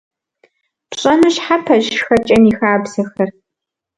Пщӏэну щхьэпэщ шхэкӏэм и хабзэхэр.